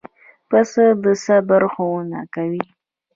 پسه د صبر ښوونه کوي.